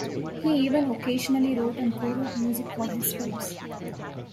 He even occasionally wrote and co-wrote music for his films.